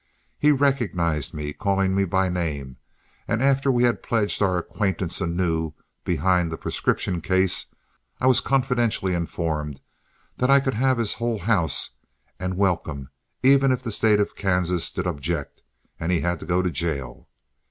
He recognized me, calling me by name; and after we had pledged our acquaintance anew behind the prescription case, I was confidentially informed that I could have his whole house and welcome, even if the State of Kansas did object and he had to go to jail.